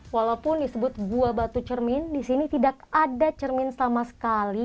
walaupun disebut gua batu cermin di sini tidak ada cermin sama sekali